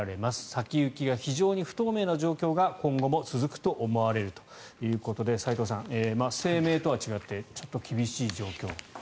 先行きが非常に不透明な状況が今後も続くと思われるということで齋藤さん、声明とは違ってちょっと厳しい状況と。